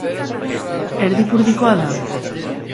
Erdipurdikoa da.